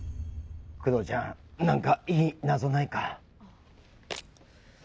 クドウちゃん何かいい謎ないか？